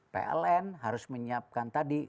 pln harus menyiapkan tadi